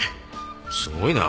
すごいな。